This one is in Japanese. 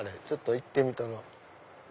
ちょっと行ってみたろ。